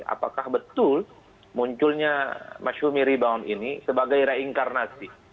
apakah betul munculnya mas humi ribawang ini sebagai reinkarnasi